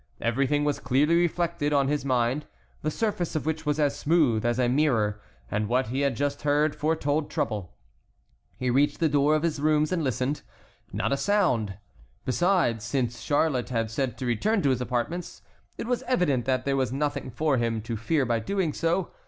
Everything was clearly reflected on his mind, the surface of which was as smooth as a mirror, and what he had just heard foretold trouble. He reached the door of his rooms and listened. Not a sound. Besides, since Charlotte had said to return to his apartments, it was evident that there was nothing for him to fear by doing so.